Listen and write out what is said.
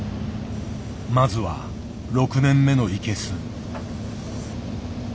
まずは６年目のイケス。